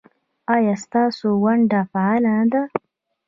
ایا ستاسو ونډه فعاله نه ده؟